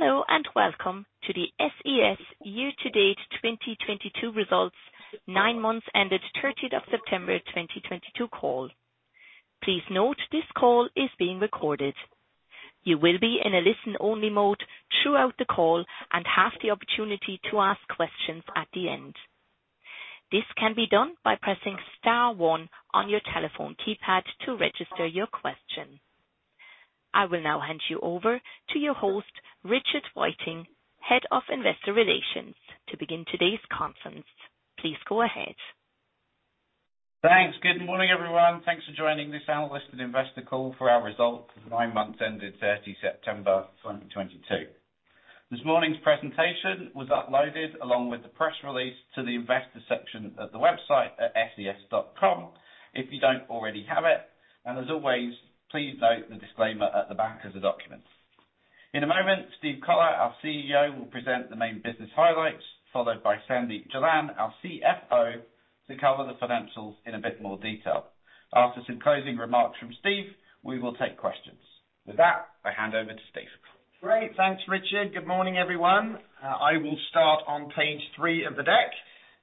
Hello, and welcome to the SES year-to-date 2022 Results, nine months ended 30th of September 2022 call. Please note this call is being recorded. You will be in a listen-only mode throughout the call and have the opportunity to ask questions at the end. This can be done by pressing star one on your telephone keypad to register your question. I will now hand you over to your host, Richard Whiteing, Head of Investor Relations, to begin today's conference. Please go ahead. Thanks. Good morning, everyone. Thanks for joining this analyst and investor call for our results for the nine months ended 30th September 2022. This morning's presentation was uploaded along with the press release to the investor section of the website at ses.com, if you don't already have it. As always, please note the disclaimer at the back of the documents. In a moment, Steve Collar, our CEO, will present the main business highlights, followed by Sandeep Jalan, our CFO, to cover the financials in a bit more detail. After some closing remarks from Steve, we will take questions. With that, I hand over to Steve. Great. Thanks, Richard. Good morning, everyone. I will start on page three of the deck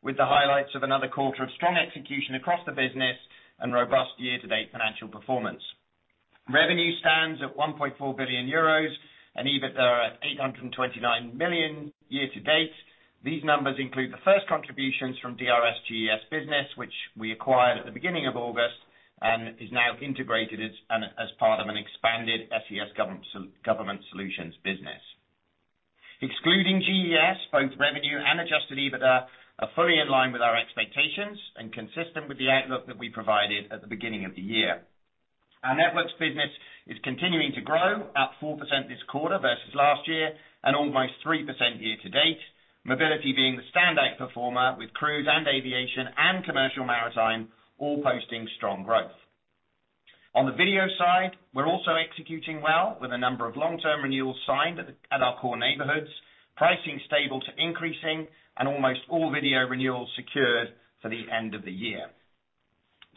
with the highlights of another quarter of strong execution across the business and robust year-to-date financial performance. Revenue stands at 1.4 billion euros and EBITDA at 829 million year to date. These numbers include the first contributions from DRS GES business, which we acquired at the beginning of August and is now integrated as part of an expanded SES Government Solutions business. Excluding GES, both revenue and adjusted EBITDA are fully in line with our expectations and consistent with the outlook that we provided at the beginning of the year. Our networks business is continuing to grow at 4% this quarter versus last year and almost 3% year to date. Mobility being the standout performer with cruise and aviation and commercial maritime all posting strong growth. On the video side, we're also executing well with a number of long-term renewals signed at our core neighborhoods, pricing stable to increasing and almost all video renewals secured for the end of the year.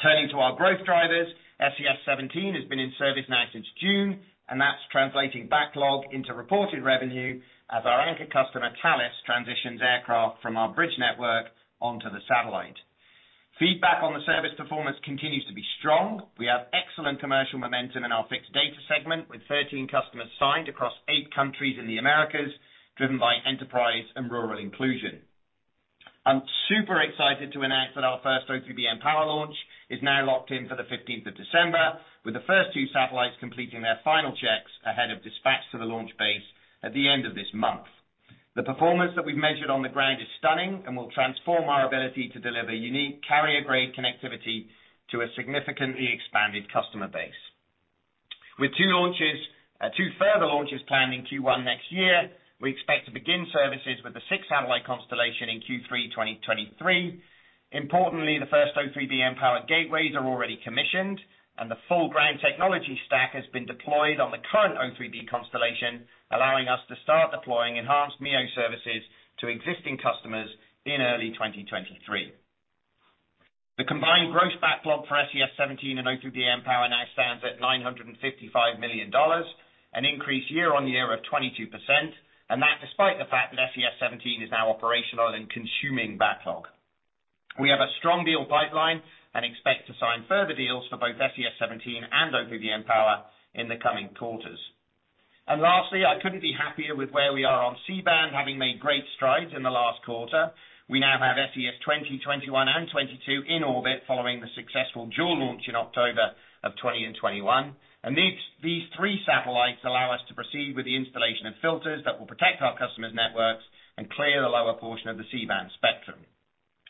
Turning to our growth drivers, SES-17 has been in service now since June, and that's translating backlog into reported revenue as our anchor customer, Thales, transitions aircraft from our bridge network onto the satellite. Feedback on the service performance continues to be strong. We have excellent commercial momentum in our Fixed Data segment, with 13 customers signed across eight countries in the Americas, driven by enterprise and rural inclusion. I'm super excited to announce that our first O3b mPOWER launch is now locked in for the fifteenth of December, with the first two satellites completing their final checks ahead of dispatch to the launch base at the end of this month. The performance that we've measured on the ground is stunning and will transform our ability to deliver unique carrier-grade connectivity to a significantly expanded customer base. With two further launches planned in Q1 next year, we expect to begin services with the six-satellite constellation in Q3 2023. Importantly, the first O3b mPOWER gateways are already commissioned and the full ground technology stack has been deployed on the current O3b constellation, allowing us to start deploying enhanced MEO services to existing customers in early 2023. The combined gross backlog for SES-17 and O3b mPOWER now stands at $955 million, an increase year-on-year of 22%, and that despite the fact that SES-17 is now operational and consuming backlog. We have a strong deal pipeline and expect to sign further deals for both SES-17 and O3b mPOWER in the coming quarters. Lastly, I couldn't be happier with where we are on C-band, having made great strides in the last quarter. We now have SES-20, SES-21, and SES-22 in orbit following the successful dual launch in October of 2020 and 2021. These three satellites allow us to proceed with the installation of filters that will protect our customers' networks and clear the lower portion of the C-band spectrum.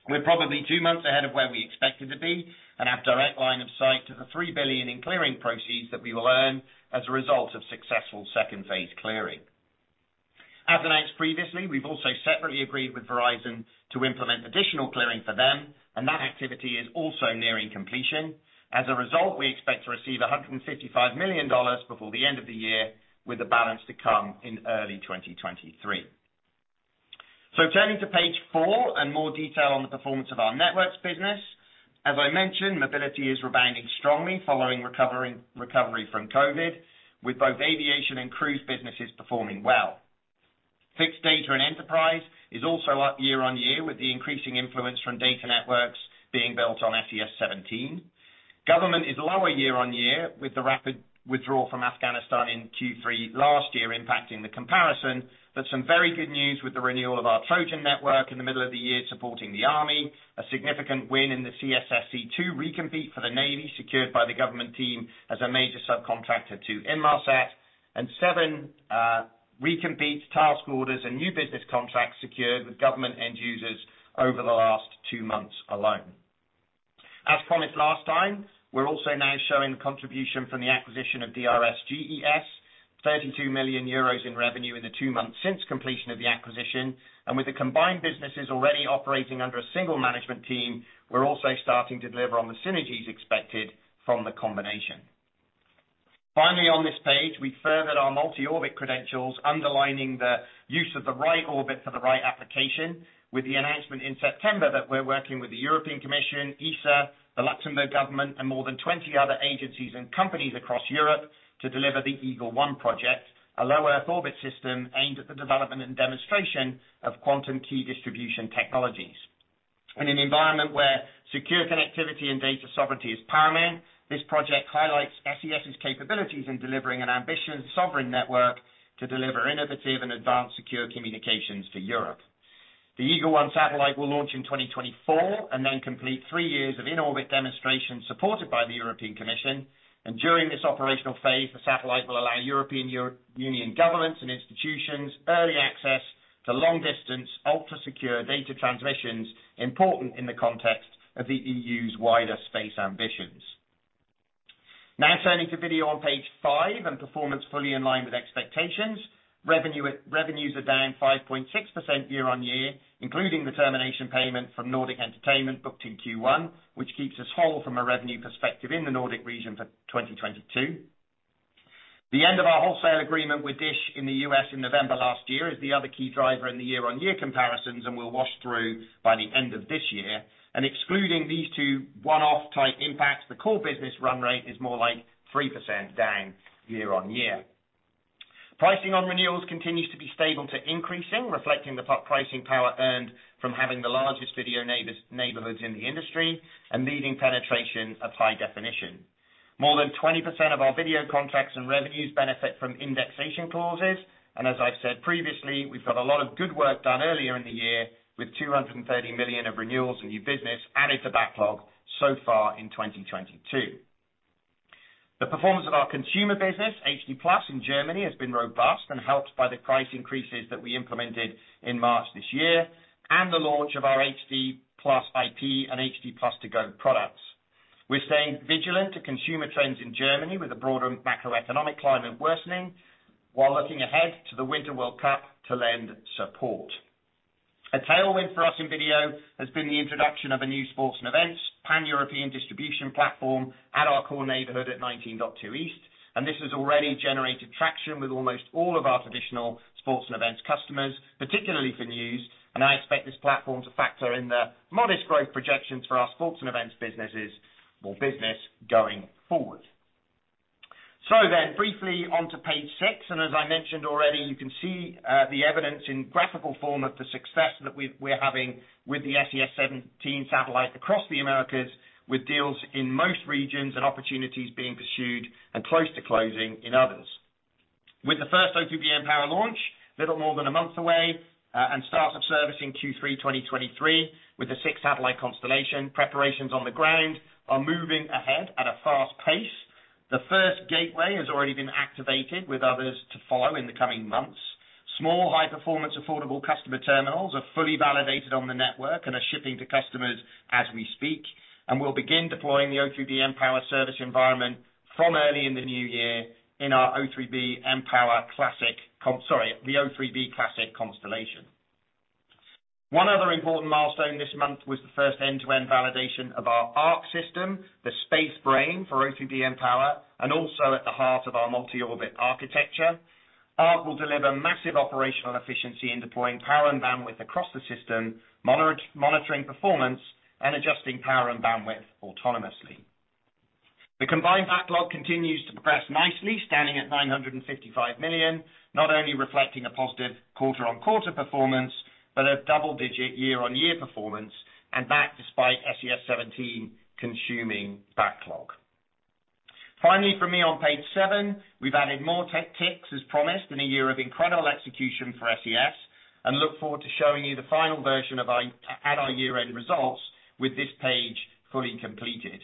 We're probably two months ahead of where we expected to be and have direct line of sight to the $3 billion in clearing proceeds that we will earn as a result of successful second-phase clearing. As announced previously, we've also separately agreed with Verizon to implement additional clearing for them, and that activity is also nearing completion. As a result, we expect to receive $155 million before the end of the year, with the balance to come in early 2023. Turning to page four and more detail on the performance of our networks business. As I mentioned, mobility is rebounding strongly following recovery from COVID, with both aviation and cruise businesses performing well. Fixed data and enterprise is also up year-over-year with the increasing influence from data networks being built on SES-17. Government is lower year on year with the rapid withdrawal from Afghanistan in Q3 last year impacting the comparison. Some very good news with the renewal of our TROJAN Network in the middle of the year supporting the army, a significant win in the CSSC II recompete for the Navy secured by the government team as a major subcontractor to Inmarsat, and seven recompetes, task orders, and new business contracts secured with government end users over the last two months alone. As promised last time, we're also now showing contribution from the acquisition of DRS GES, 32 million euros in revenue in the two months since completion of the acquisition. With the combined businesses already operating under a single management team, we're also starting to deliver on the synergies expected from the combination. Finally, on this page, we furthered our multi-orbit credentials underlining the use of the right orbit for the right application with the announcement in September that we're working with the European Commission, ESA, the Luxembourg government, and more than 20 other agencies and companies across Europe to deliver the Eagle-1 project, a low Earth orbit system aimed at the development and demonstration of quantum key distribution technologies. In an environment where secure connectivity and data sovereignty is paramount, this project highlights SES's capabilities in delivering an ambitious sovereign network to deliver innovative and advanced secure communications to Europe. The Eagle-1 satellite will launch in 2024 and then complete three years of in-orbit demonstrations supported by the European Commission. During this operational phase, the satellite will allow European Union governments and institutions early access to long-distance, ultra-secure data transmissions, important in the context of the EU's wider space ambitions. Now turning to video on page five and performance fully in line with expectations. Revenues are down 5.6% year-on-year, including the termination payment from Nordic Entertainment booked in Q1, which keeps us whole from a revenue perspective in the Nordic region for 2022. The end of our wholesale agreement with DISH in the U.S. in November last year is the other key driver in the year-on-year comparisons and will wash through by the end of this year. Excluding these two one-off type impacts, the core business run rate is more like 3% down year-on-year. Pricing on renewals continues to be stable to increasing, reflecting the pricing power earned from having the largest video neighborhoods in the industry and leading penetration of high definition. More than 20% of our video contracts and revenues benefit from indexation clauses. As I said previously, we've got a lot of good work done earlier in the year with 230 million of renewals and new business added to backlog so far in 2022. The performance of our consumer business, HD+ in Germany, has been robust and helped by the price increases that we implemented in March this year and the launch of our HD+ IP and HD+ ToGo products. We're staying vigilant to consumer trends in Germany with the broader macroeconomic climate worsening while looking ahead to the Winter World Cup to lend support. A tailwind for us in video has been the introduction of a new sports and events Pan-European distribution platform at our core neighborhood at 19.2 East. This has already generated traction with almost all of our traditional sports and events customers, particularly for news. I expect this platform to factor in the modest growth projections for our sports and events businesses or business going forward. Briefly on to page six, and as I mentioned already, you can see the evidence in graphical form of the success that we're having with the SES-17 satellites across the Americas, with deals in most regions and opportunities being pursued and close to closing in others. With the first O3b mPOWER launch little more than a month away, and start of service in Q3 2023 with the six satellite constellation preparations on the ground are moving ahead at a fast pace. The first gateway has already been activated with others to follow in the coming months. Small, high-performance affordable customer terminals are fully validated on the network and are shipping to customers as we speak. We'll begin deploying the O3b mPOWER service environment from early in the new year in our O3b Classic constellation. One other important milestone this month was the first end-to-end validation of our ARC system, the space brain for O3b mPOWER, and also at the heart of our multi-orbit architecture. ARC will deliver massive operational efficiency in deploying power and bandwidth across the system, monitoring performance and adjusting power and bandwidth autonomously. The combined backlog continues to progress nicely, standing at $955 million, not only reflecting a positive quarter-on-quarter performance, but a double-digit year-on-year performance, and that despite SES-17 consuming backlog. Finally for me on page seven, we've added more tech ticks as promised in a year of incredible execution for SES and look forward to showing you the final version of our, at our year-end results with this page fully completed.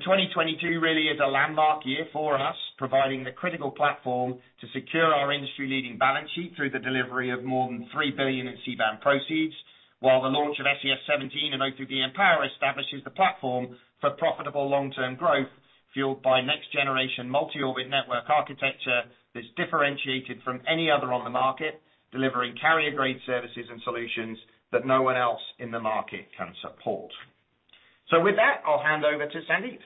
2022 really is a landmark year for us, providing the critical platform to secure our industry-leading balance sheet through the delivery of more than $3 billion in C-band proceeds. While the launch of SES-17 and O3b mPOWER establishes the platform for profitable long-term growth fueled by next-generation multi-orbit network architecture that's differentiated from any other on the market, delivering carrier-grade services and solutions that no one else in the market can support. With that, I'll hand over to Sandeep.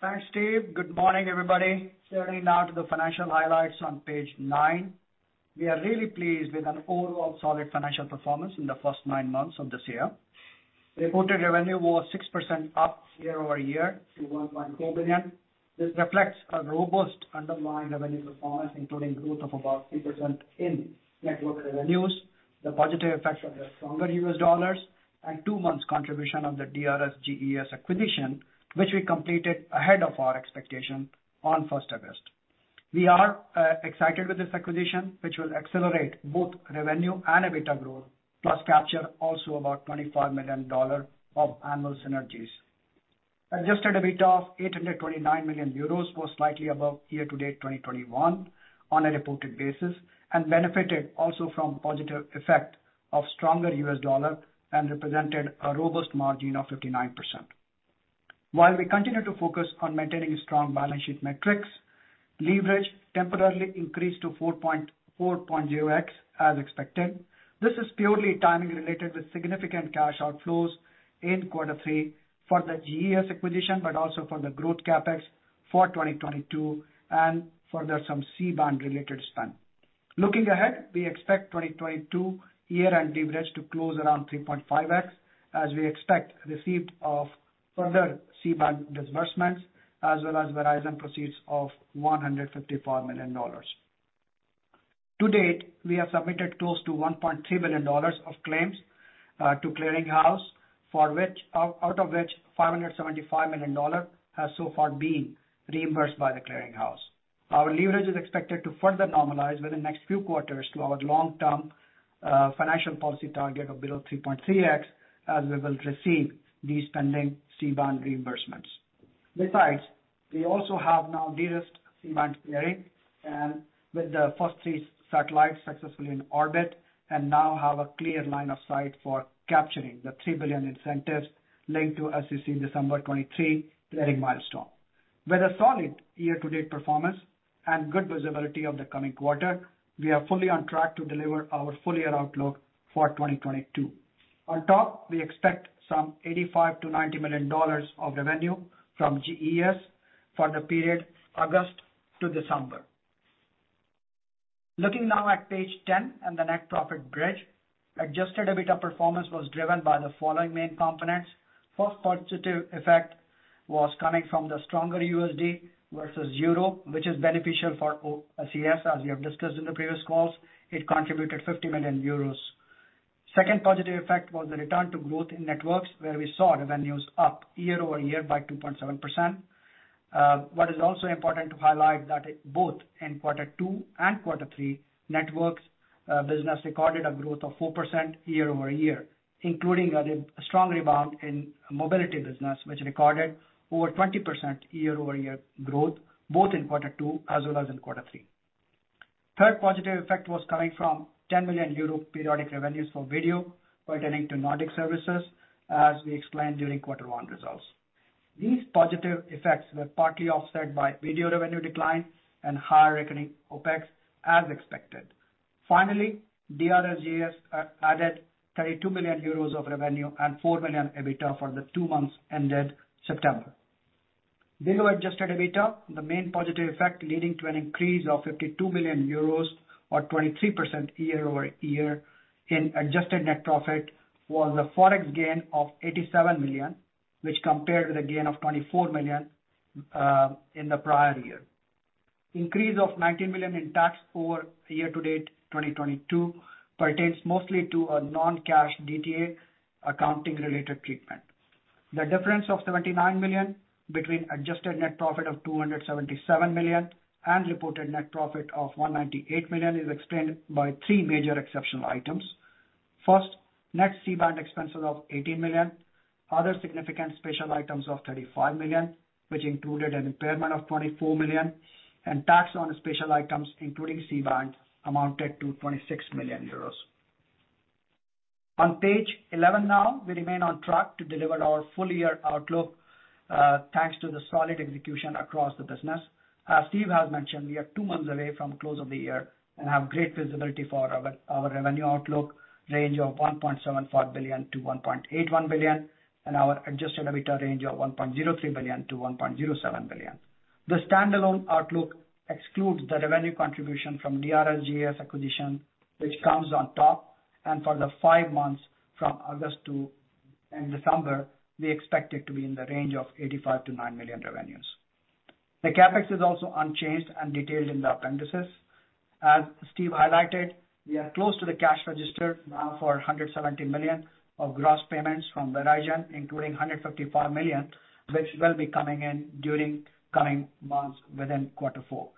Thanks, Steve. Good morning, everybody. Turning now to the financial highlights on page nine. We are really pleased with an overall solid financial performance in the first nine months of this year. Reported revenue was 6% up year-over-year to 1.4 billion. This reflects a robust underlying revenue performance, including growth of about 3% in network revenues, the positive effects of the stronger U.S. dollars, and two months contribution of the DRS GES acquisition, which we completed ahead of our expectation on first August. We are excited with this acquisition, which will accelerate both revenue and EBITDA growth, plus capture also about $25 million of annual synergies. Adjusted EBITDA of 829 million euros was slightly above year-to-date 2021 on a reported basis and benefited also from positive effect of stronger U.S.ca dollar and represented a robust margin of 59%. While we continue to focus on maintaining strong balance sheet metrics, leverage temporarily increased to 4.0x as expected. This is purely timing-related with significant cash outflows in quarter three for the GES acquisition, but also for the growth CapEx for 2022 and further some C-band related spend. Looking ahead, we expect 2022 year-end leverage to close around 3.5x as we expect receipt of further C-band disbursements as well as Verizon proceeds of $155 million. To date, we have submitted close to $1.3 billion of claims to Clearinghouse, out of which $575 million has so far been reimbursed by the Clearinghouse. Our leverage is expected to further normalize within next few quarters to our long-term financial policy target of below 3.3x, as we will receive these pending C-band reimbursements. Besides, we also have now de-risked C-band clearing and with the first three satellites successfully in orbit, and now have a clear line of sight for capturing the $3 billion incentives linked to, as you see, December 2023 clearing milestone. With a solid year-to-date performance and good visibility of the coming quarter, we are fully on track to deliver our full-year outlook for 2022. On top, we expect some $85 million-$90 million of revenue from GES for the period August to December. Looking now at page 10 and the net profit bridge. Adjusted EBITDA performance was driven by the following main components. First positive effect was coming from the stronger USD versus euro, which is beneficial for SES, as we have discussed in the previous calls. It contributed 50 million euros. Second positive effect was the return to growth in networks, where we saw revenues up year-over-year by 2.7%. What is also important to highlight that it both in quarter two and quarter three, networks business recorded a growth of 4% year-over-year, including a strong rebound in mobility business, which recorded over 20% year-over-year growth, both in quarter two as well as in quarter three. Third positive effect was coming from 10 million euro periodic revenues for video pertaining to Nordic services, as we explained during quarter one results. These positive effects were partly offset by video revenue decline and higher recurring OpEx as expected. Finally, DRS has added 32 million euros of revenue and 4 million EBITDA for the two months ended September. Video adjusted EBITDA, the main positive effect leading to an increase of 52 million euros or 23% year over year in adjusted net profit, was a Forex gain of 87 million, which compared with a gain of 24 million in the prior year. Increase of 19 million in tax for year to date 2022 pertains mostly to a non-cash DTA accounting-related treatment. The difference of 79 million between adjusted net profit of 277 million and reported net profit of 198 million is explained by three major exceptional items. First, net C-band expenses of 18 million, other significant special items of 35 million, which included an impairment of 24 million, and tax on special items, including C-band, amounted to 26 million euros. On page eleven now, we remain on track to deliver our full year outlook, thanks to the solid execution across the business. As Steve has mentioned, we are two months away from close of the year and have great visibility for our revenue outlook range of 1.75 billion-1.81 billion and our adjusted EBITDA range of 1.03 billion-1.07 billion. The standalone outlook excludes the revenue contribution from DRS acquisition which comes on top, and for the five months from August to December, we expect it to be in the range of 85 million-95 million revenues. The CapEx is also unchanged and detailed in the appendices. As Steve highlighted, we are close to the cash register now for $170 million of gross payments from Verizon, including $155 million, which will be coming in during coming months within quarter four,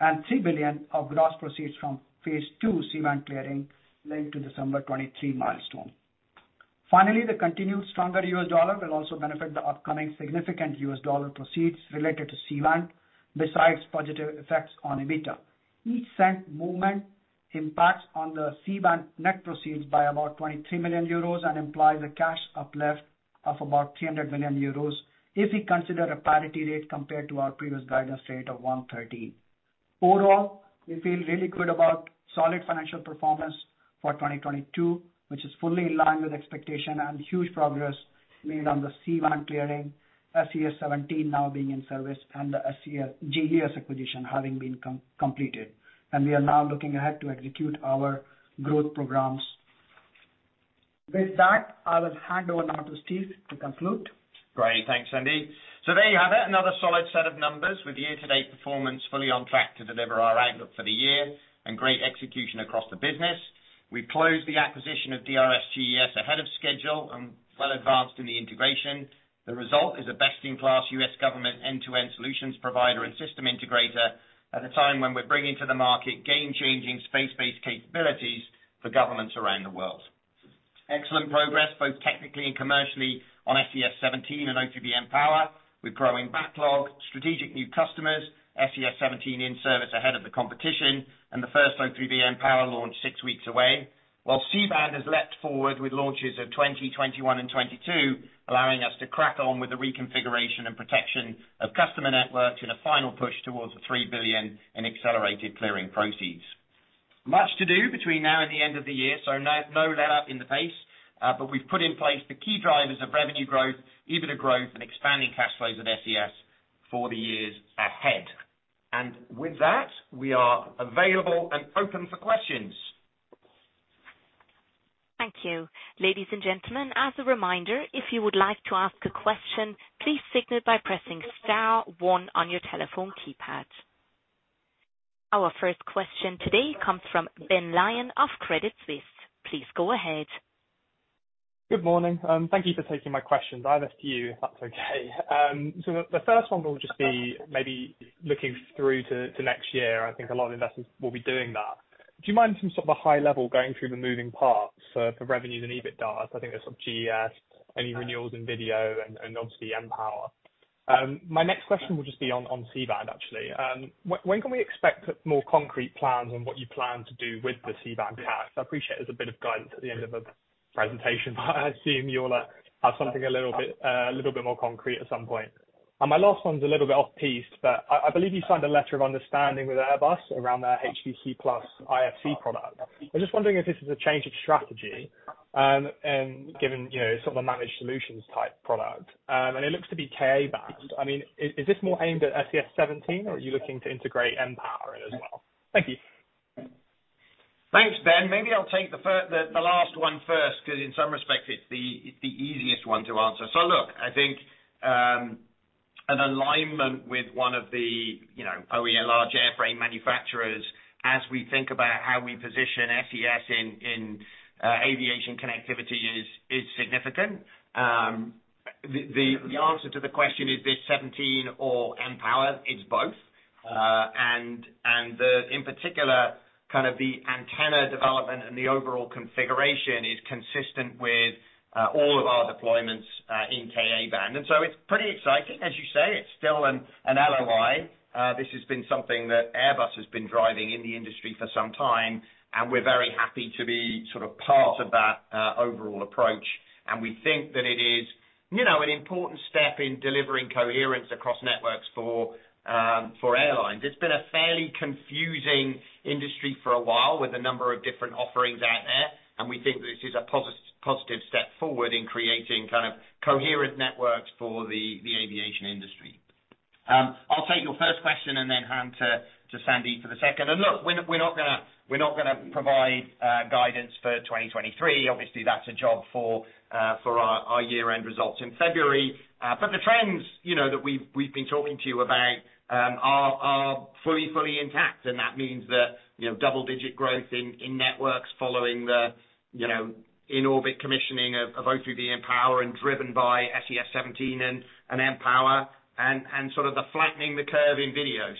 and $3 billion of gross proceeds from phase II C-band clearing linked to December 2023 milestone. Finally, the continued stronger U.S. dollar will also benefit the upcoming significant U.S. dollar proceeds related to C-band, besides positive effects on EBITDA. Each cent movement impacts on the C-band net proceeds by about 23 million euros and implies a cash uplift of about 300 million euros if we consider a parity rate compared to our previous guidance rate of 1.30. Overall, we feel really good about solid financial performance for 2022, which is fully in line with expectation and huge progress made on the C-band clearing, SES-17 now being in service and the GES acquisition having been completed. We are now looking ahead to execute our growth programs. With that, I will hand over now to Steve to conclude. Great. Thanks, Sandeep. There you have it, another solid set of numbers with year-to-date performance fully on track to deliver our outlook for the year and great execution across the business. We've closed the acquisition of DRS Global Enterprise Solutions ahead of schedule and well advanced in the integration. The result is a best-in-class U.S. government end-to-end solutions provider and system integrator at a time when we're bringing to the market game-changing space-based capabilities for governments around the world. Excellent progress, both technically and commercially on SES-17 and O3b mPOWER with growing backlog, strategic new customers, SES-17 in service ahead of the competition and the first O3b mPOWER launch six weeks away. While C-band has leapt forward with launches of SES-20, SES-21 and SES-22, allowing us to crack on with the reconfiguration and protection of customer networks in a final push towards the $3 billion in accelerated clearing proceeds. Much to do between now and the end of the year, so no let up in the pace, but we've put in place the key drivers of revenue growth, EBITDA growth, and expanding cash flows at SES for the years ahead. With that, we are available and open for questions. Thank you. Ladies and gentlemen, as a reminder, if you would like to ask a question, please signal by pressing star one on your telephone keypad. Our first question today comes from Ben Lyons of Credit Suisse. Please go ahead. Good morning. Thank you for taking my questions. I have a few, if that's okay. The first one will just be maybe looking through to next year. I think a lot of investors will be doing that. Do you mind some sort of a high-level going through the moving parts for revenues and EBITDA? I think there's some GES, any renewals in video and obviously mPOWER. My next question will just be on C-band actually. When can we expect more concrete plans on what you plan to do with the C-band CapEx? I appreciate there's a bit of guidance at the end of the presentation, but I assume you'll have something a little bit more concrete at some point. My last one's a little bit off piece, but I believe you signed a letter of understanding with Airbus around their HBCplus IFC product. I'm just wondering if this is a change of strategy, and given, you know, sort of a managed solutions type product. It looks to be KA-band. I mean, is this more aimed at SES-17, or are you looking to integrate mPOWER in as well? Thank you. Thanks, Ben. Maybe I'll take the first one first, 'cause in some respects it's the easiest one to answer. Look, I think an alignment with one of the, you know, OEM large airframe manufacturers as we think about how we position SES in aviation connectivity is significant. The answer to the question, is this SES-17 or mPOWER? It's both. In particular, kind of the antenna development and the overall configuration is consistent with all of our deployments in KA-band. It's pretty exciting. As you say, it's still an LOI. This has been something that Airbus has been driving in the industry for some time, and we're very happy to be sort of part of that overall approach. We think that it is, you know, an important step in delivering coherence across networks for airlines. It's been a fairly confusing industry for a while, with a number of different offerings out there, and we think this is a positive step forward in creating kind of coherent networks for the aviation industry. I'll take your first question and then hand to Sandeep for the second. Look, we're not gonna provide guidance for 2023. Obviously, that's a job for our year-end results in February. The trends, you know, that we've been talking to you about are fully intact. That means that, you know, double-digit growth in networks following the, you know, in-orbit commissioning of O3b mPOWER and driven by SES-17 and mPOWER and sort of the flattening of the curve in video.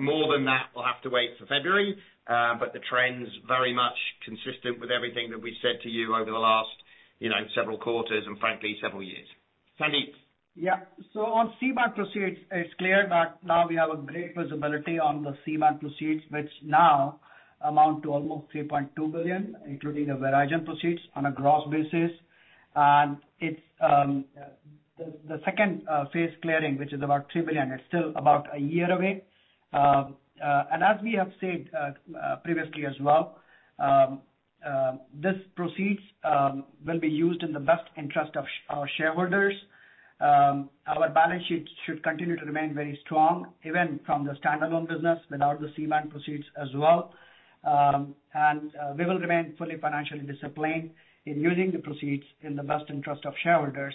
More than that will have to wait for February, but the trend's very much consistent with everything that we said to you over the last, you know, several quarters and frankly, several years. Sandeep? Yeah. On C-band proceeds, it's clear that now we have a great visibility on the C-band proceeds, which now amount to almost $3.2 billion, including the Verizon proceeds on a gross basis. It's the second phase clearing, which is about $3 billion, is still about a year away. As we have said previously as well, this proceeds will be used in the best interest of our shareholders. Our balance sheet should continue to remain very strong, even from the standalone business without the C-band proceeds as well. We will remain fully financially disciplined in using the proceeds in the best interest of shareholders,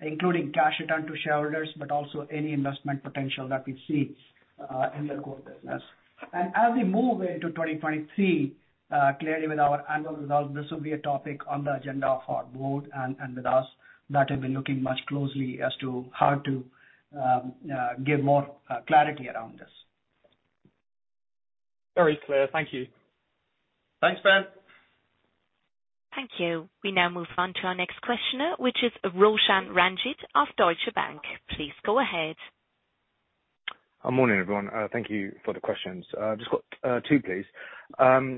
including cash return to shareholders, but also any investment potential that we see in the core business. As we move into 2023, clearly with our annual results, this will be a topic on the agenda of our board and with us that have been looking more closely as to how to give more clarity around this. Very clear. Thank you. Thanks, Ben. Thank you. We now move on to our next questioner, which is Roshan Ranjit of Deutsche Bank. Please go ahead. Good morning, everyone. Thank you for the questions. Just got two, please.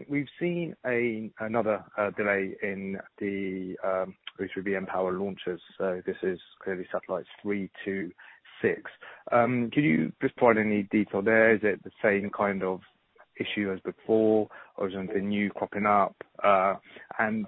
We've seen another delay in the O3b mPOWER launches, so this is clearly satellites three to six. Could you just provide any detail there? Is it the same kind of issue as before, or is there anything new cropping up? And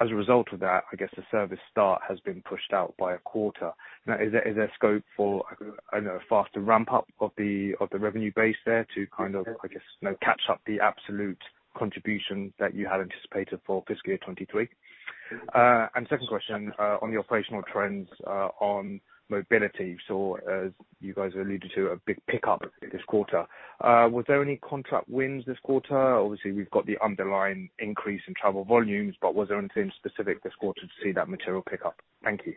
as a result of that, I guess the service start has been pushed out by a quarter. Now, is there scope for, I don't know, a faster ramp up of the revenue base there to kind of, I guess, you know, catch up the absolute contribution that you had anticipated for fiscal year 2023? And second question, on the operational trends, on mobility, saw as you guys alluded to, a big pickup this quarter. Was there any contract wins this quarter? Obviously, we've got the underlying increase in travel volumes, but was there anything specific this quarter to see that material pick up? Thank you.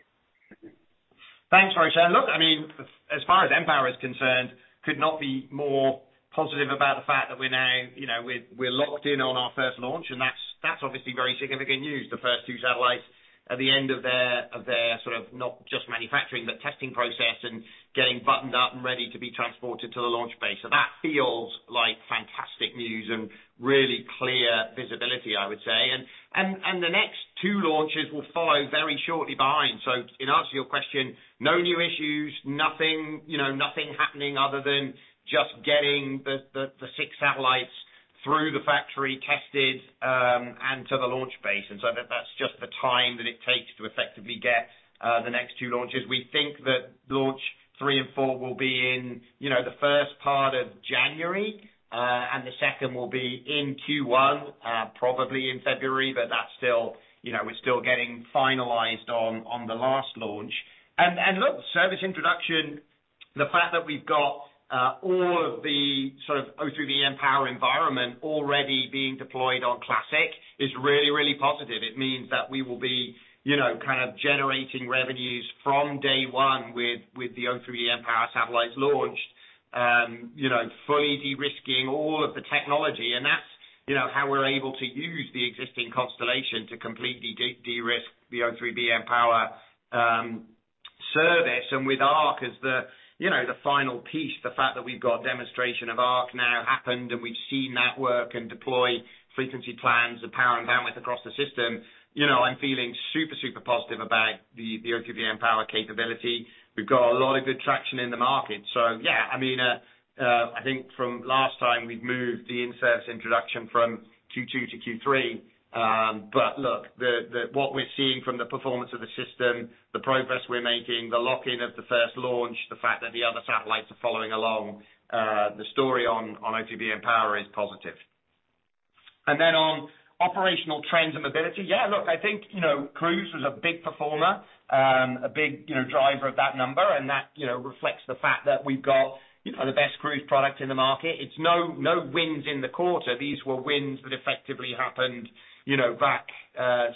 Thanks, Roshan. Look, I mean, as far as mPOWER is concerned, could not be more positive about the fact that we're now, you know, locked in on our first launch, and that's obviously very significant news. The first two satellites at the end of their sort of not just manufacturing, but testing process and getting buttoned up and ready to be transported to the launch base. That feels like fantastic news and really clear visibility, I would say. The next two launches will follow very shortly behind. In answer to your question, no new issues, nothing, you know, nothing happening other than just getting the six satellites through the factory tested and to the launch base. That's just the time that it takes to effectively get the next two launches. We think that launch three and four will be in, you know, the first part of January, and the second will be in Q1, probably in February, but that's still, you know, we're still getting finalized on the last launch. Look, service introduction, the fact that we've got all of the sort of O3b mPOWER environment already being deployed on classic is really, really positive. It means that we will be, you know, kind of generating revenues from day one with the O3b mPOWER satellites launched, you know, fully de-risking all of the technology. That's, you know, how we're able to use the existing constellation to completely de-risk the O3b mPOWER service. With ARC as the, you know, the final piece, the fact that we've got demonstration of ARC now happened, and we've seen that work and deploy frequency plans of power and bandwidth across the system, you know, I'm feeling super positive about the O3b mPOWER capability. We've got a lot of good traction in the market. So yeah, I mean, I think from last time, we've moved the in-service introduction from Q2 to Q3. But look, what we're seeing from the performance of the system, the progress we're making, the lock-in of the first launch, the fact that the other satellites are following along, the story on O3b mPOWER is positive. Then on operational trends and mobility, yeah, look, I think, you know, cruise was a big performer, a big, you know, driver of that number. That, you know, reflects the fact that we've got, you know, the best cruise product in the market. It's no wins in the quarter. These were wins that effectively happened, you know, back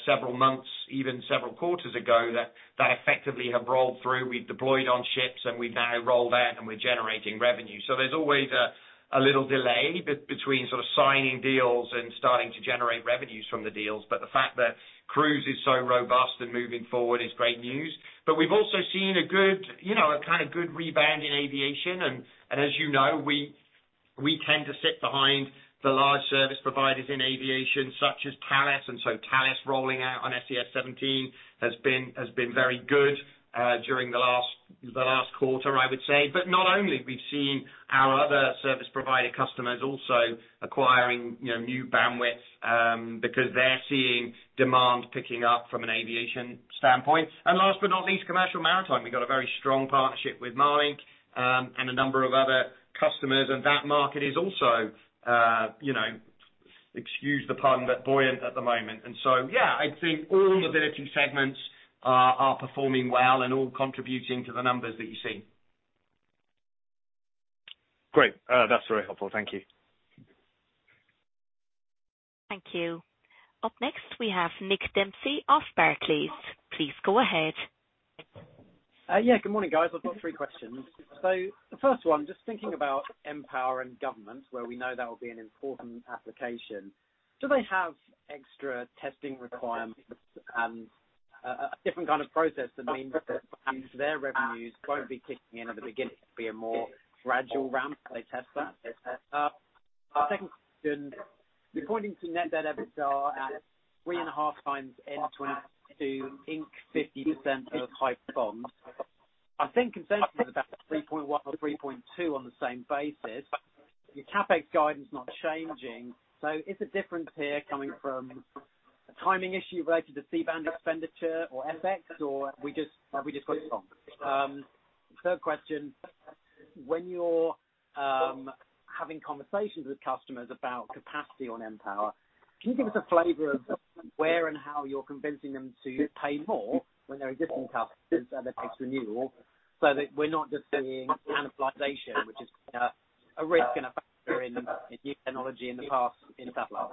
several months, even several quarters ago, that effectively have rolled through. We deployed on ships and we've now rolled out and we're generating revenue. There's always a little delay between sort of signing deals and starting to generate revenues from the deals. The fact that cruise is so robust and moving forward is great news. We've also seen a good, you know, a kind of good rebound in aviation. As you know, we tend to sit behind the large service providers in aviation, such as Thales. Thales rolling out on SES-17 has been very good during the last quarter, I would say. Not only, we've seen our other service provider customers also acquiring new bandwidth because they're seeing demand picking up from an aviation standpoint. Last but not least, commercial maritime. We've got a very strong partnership with Maersk and a number of other customers. That market is also excuse the pun, but buoyant at the moment. Yeah, I think all mobility segments are performing well and all contributing to the numbers that you see. Great. That's very helpful. Thank you. Thank you. Up next, we have Nick Dempsey of Barclays. Please go ahead. Yeah, good morning, guys. I've got three questions. The first one, just thinking about mPOWER and government, where we know that will be an important application, do they have extra testing requirements and a different kind of process that means that their revenues won't be kicking in at the beginning? It'll be a more gradual ramp as they test that? Second question, according to net debt EBITDA at 3.5x in 2022 ink 50% of hybrid bonds, I think consensus is about 3.1% or 3.2% on the same basis. Your CapEx guidance not changing, so is the difference here coming from a timing issue related to C-band expenditure or FX, or we just got it wrong? Third question, when you're having conversations with customers about capacity on mPOWER, can you give us a flavor of where and how you're convincing them to pay more when their existing capacities are up for renewal, so that we're not just seeing commoditization, which is a risk and a factor in new technology in the past in satellite?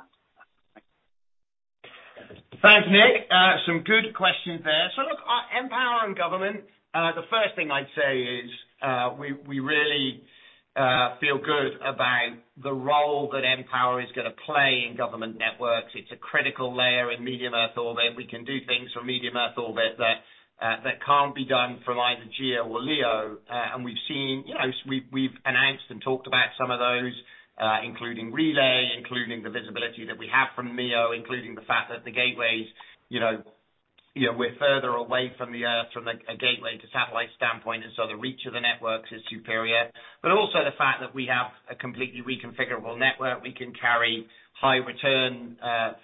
Thanks. Thanks, Nick. Some good questions there. Look, mPOWER and government, the first thing I'd say is, we really feel good about the role that mPower is gonna play in government networks. It's a critical layer in medium earth orbit. We can do things from medium earth orbit that can't be done from either GEO or LEO. We've seen, you know, we've announced and talked about some of those, including relay, including the visibility that we have from MEO, including the fact that the gateways, you know, we're further away from the earth, from a gateway to satellite standpoint, and so the reach of the networks is superior. Also the fact that we have a completely reconfigurable network, we can carry high return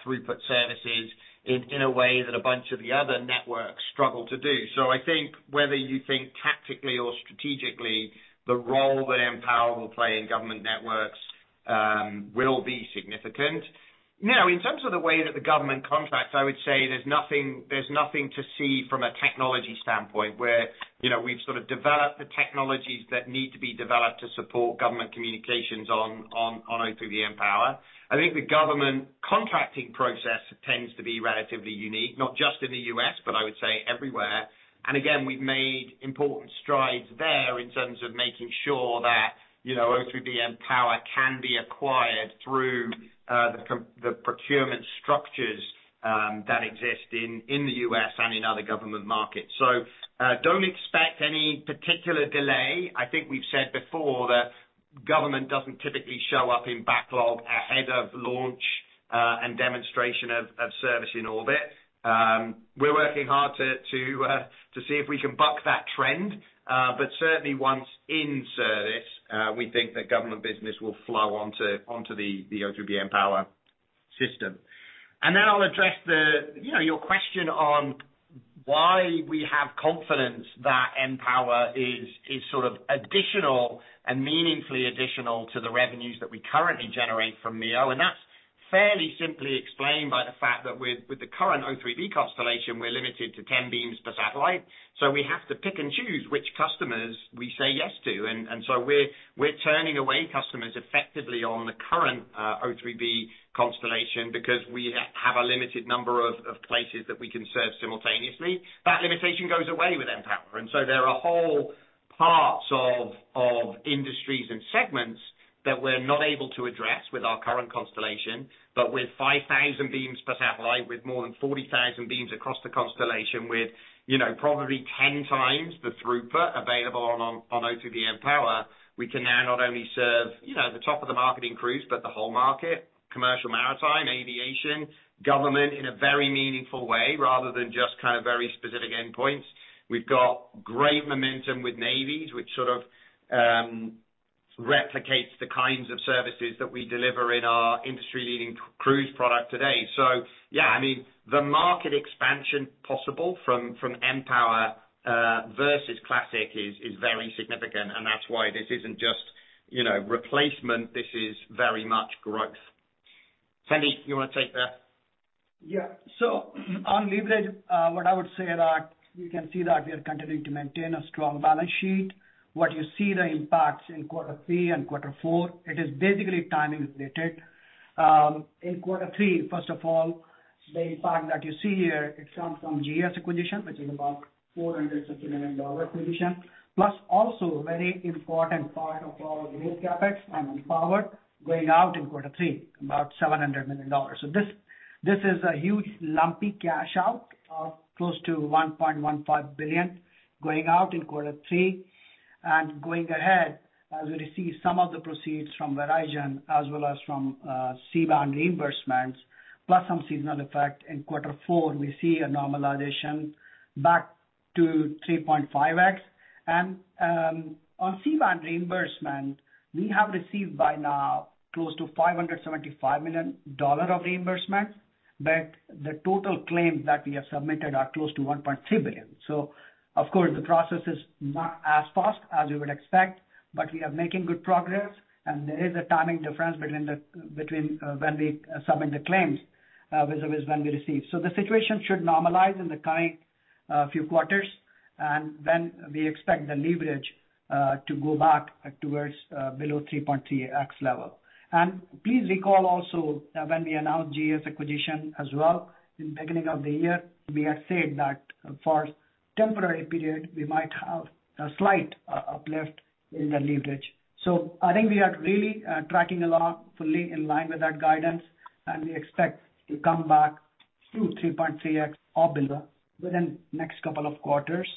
throughput services in a way that a bunch of the other networks struggle to do. I think whether you think tactically or strategically, the role that mPOWER will play in government networks will be significant. Now, in terms of the way that the government contracts, I would say there's nothing to see from a technology standpoint, where you know we've sort of developed the technologies that need to be developed to support government communications on O3b mPOWER. I think the government contracting process tends to be relatively unique, not just in the U.S., but I would say everywhere. Again, we've made important strides there in terms of making sure that, you know, O3b mPOWER can be acquired through the procurement structures that exist in the U.S. and in other government markets. So, don't expect any particular delay. I think we've said before that government doesn't typically show up in backlog ahead of launch and demonstration of service in orbit. We're working hard to see if we can buck that trend. But certainly once in service, we think that government business will flow onto the O3b mPOWER system. Then I'll address the, you know, your question on why we have confidence that mPOWER is sort of additional and meaningfully additional to the revenues that we currently generate from MEO. That's fairly simply explained by the fact that with the current O3b constellation, we're limited to 10 beams per satellite, so we have to pick and choose which customers we say yes to. We're turning away customers effectively on the current O3b constellation because we have a limited number of places that we can serve simultaneously. That limitation goes away with mPOWER. There are whole parts of industries and segments that we're not able to address with our current constellation. With 5,000 beams per satellite, with more than 40,000 beams across the constellation, with, you know, probably 10x the throughput available on O3b mPOWER, we can now not only serve, you know, the top of the market in cruise, but the whole market, commercial, maritime, aviation, government, in a very meaningful way rather than just kind of very specific endpoints. We've got great momentum with navies, which sort of replicates the kinds of services that we deliver in our industry-leading cruise product today. Yeah, I mean, the market expansion possible from mPOWER versus classic is very significant, and that's why this isn't just, you know, replacement. This is very much growth. Sandeep, you wanna take that? On leverage, what I would say is that you can see that we are continuing to maintain a strong balance sheet. What you see are the impacts in quarter three and quarter four; it is basically timing related. In quarter three, first of all, the impact that you see here comes from GES acquisition, which is about $400 million acquisition, plus also very important part of our growth CapEx on mPOWER going out in quarter three, about $700 million. This is a huge lumpy cash out of close to $1.15 billion going out in quarter three. Going ahead, as we receive some of the proceeds from Verizon as well as from C-band reimbursements, plus some seasonal effect in quarter four, we see a normalization back to 3.5x. On C-band reimbursement, we have received by now close to $575 million of reimbursement. The total claims that we have submitted are close to $1.3 billion. Of course, the process is not as fast as you would expect, but we are making good progress. There is a timing difference between when we submit the claims versus when we receive. The situation should normalize in the current few quarters, and then we expect the leverage to go back towards below 3.3x level. Please recall also that when we announced GES acquisition as well in the beginning of the year, we had said that for temporary period we might have a slight uplift in the leverage. I think we are really, tracking along fully in line with our guidance, and we expect to come back to 3.3x or below within next couple of quarters.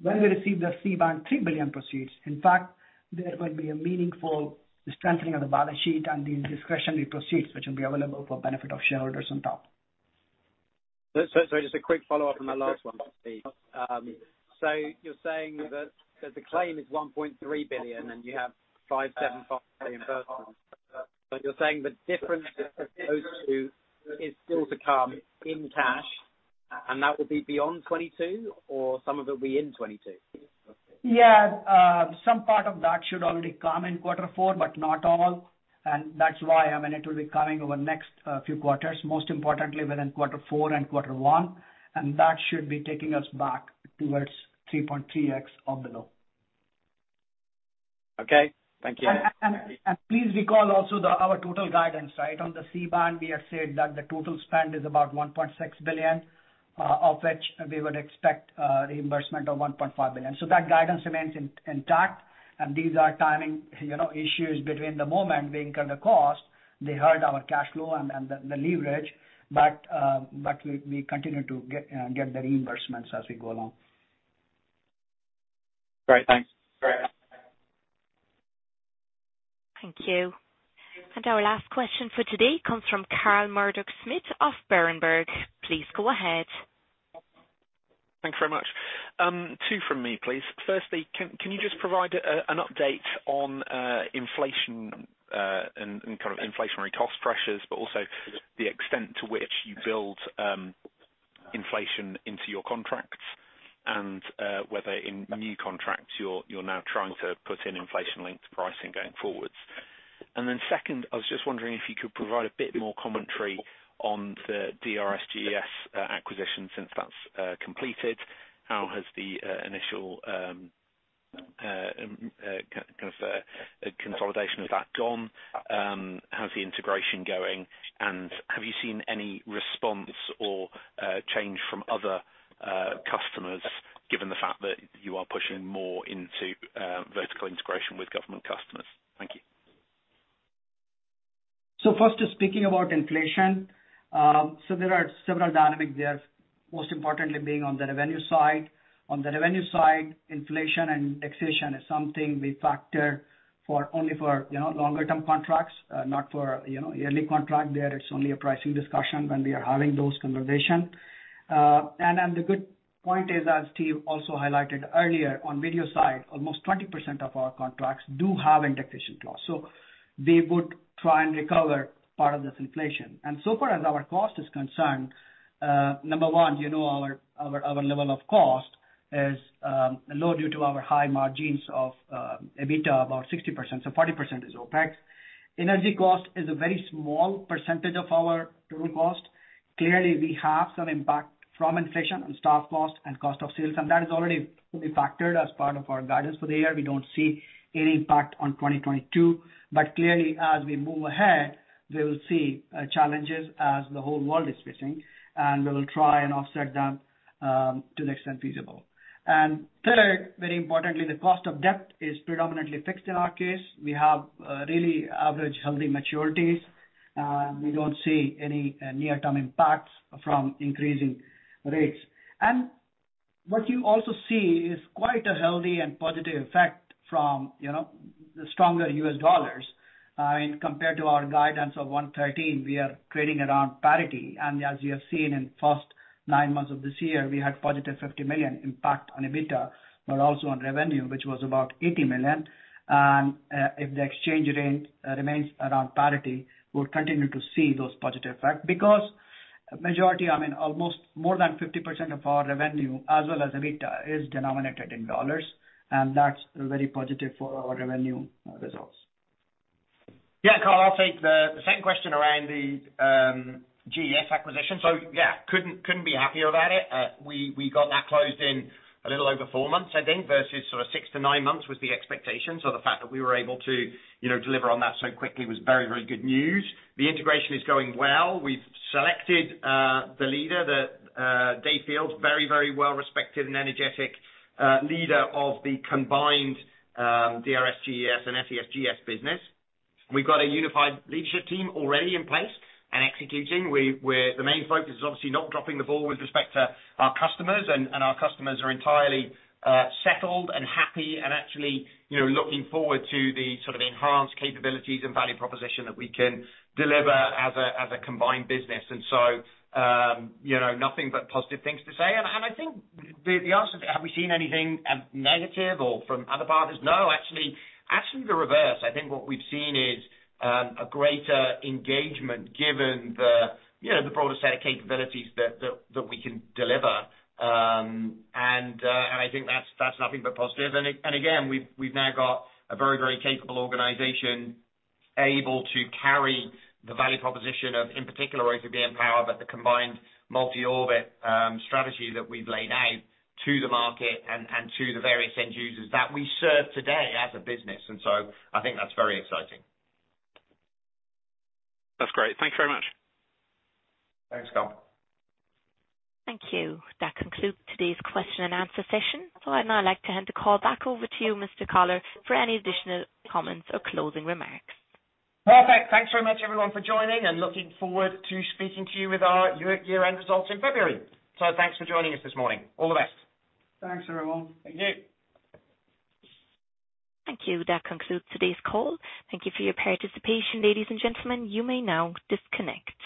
When we receive the C-band $3 billion proceeds, in fact, there will be a meaningful strengthening of the balance sheet and the discretionary proceeds, which will be available for benefit of shareholders on top. Just a quick follow-up on that last one, please. You're saying that the claim is $1.3 billion and you have $575 million reimbursement. You're saying the difference as opposed to is still to come in cash, and that will be beyond 2022 or some of it will be in 2022? Yeah. Some part of that should already come in quarter four, but not all. That's why, I mean, it will be coming over the next few quarters, most importantly within quarter four and quarter one. That should be taking us back towards 3.3x or below. Okay. Thank you. Please recall also our total guidance, right? On the C-band, we have said that the total spend is about $1.6 billion, of which we would expect reimbursement of $1.5 billion. That guidance remains intact. These are timing, you know, issues between the moment we incur the cost, they hurt our cash flow and the leverage. We continue to get the reimbursements as we go along. Great. Thanks. Thank you. Our last question for today comes from Carl Murdock-Smith of Berenberg. Please go ahead. Thanks very much. Two from me, please. Firstly, can you just provide an update on inflation and kind of inflationary cost pressures, but also the extent to which you build inflation into your contracts and whether in new contracts you're now trying to put in inflation-linked pricing going forward. Second, I was just wondering if you could provide a bit more commentary on the DRS Global Enterprise Solutions acquisition since that's completed. How has the initial kind of consolidation of that gone? How's the integration going? And have you seen any response or change from other customers, given the fact that you are pushing more into vertical integration with government customers? Thank you. First, speaking about inflation, there are several dynamics there. Most importantly being on the revenue side. On the revenue side, inflation and taxation is something we factor for only for, you know, longer-term contracts, not for, you know, yearly contract. There it's only a pricing discussion when we are having those conversation. The good point is, as Steve also highlighted earlier, on video side, almost 20% of our contracts do have indexation clause. They would try and recover part of this inflation. So far as our cost is concerned, number one, you know, our level of cost is low due to our high margins of EBITDA, about 60%. So 40% is OpEx. Energy cost is a very small percentage of our total cost. Clearly, we have some impact from inflation on staff cost and cost of sales, and that is already fully factored as part of our guidance for the year. We don't see any impact on 2022. Clearly, as we move ahead, we will see challenges as the whole world is facing, and we will try and offset them to the extent feasible. Third, very importantly, the cost of debt is predominantly fixed in our case. We have relatively average healthy maturities. We don't see any near-term impacts from increasing rates. What you also see is quite a healthy and positive effect from, you know, the stronger U.S. dollars. As compared to our guidance of 1.13, we are trading around parity. As you have seen in first nine months of this year, we had positive 50 million impact on EBITDA, but also on revenue, which was about 80 million. If the exchange rate remains around parity, we'll continue to see those positive effect because majority, I mean, almost more than 50% of our revenue as well as EBITDA is denominated in U.S. dollars, and that's very positive for our revenue results. Yeah, Carl, I'll take the same question around the GES acquisition. Yeah, couldn't be happier about it. We got that closed in a little over four months, I think, versus sort of six to nine months was the expectation. The fact that we were able to, you know, deliver on that so quickly was very good news. The integration is going well. We've selected the leader, David Fields, very well-respected and energetic leader of the combined DRS GES and SES GS business. We've got a unified leadership team already in place and executing. The main focus is obviously not dropping the ball with respect to our customers. Our customers are entirely settled and happy and actually, you know, looking forward to the sort of enhanced capabilities and value proposition that we can deliver as a combined business. You know, nothing but positive things to say. I think the answer to have we seen anything negative or from other partners. No, actually the reverse. I think what we've seen is a greater engagement given the, you know, the broader set of capabilities that we can deliver. I think that's nothing but positive. again, we've now got a very, very capable organization able to carry the value proposition of, in particular, O3b mPOWER, but the combined multi-orbit strategy that we've laid out to the market and to the various end users that we serve today as a business. I think that's very exciting. That's great. Thank you very much. Thanks, Carl. Thank you. That concludes today's question and answer session. I'd now like to hand the call back over to you, Mr. Collar, for any additional comments or closing remarks. Perfect. Thanks very much everyone for joining and looking forward to speaking to you with our year-end results in February. Thanks for joining us this morning. All the best. Thanks, everyone. Thank you. Thank you. That concludes today's call. Thank you for your participation, ladies and gentlemen. You may now disconnect.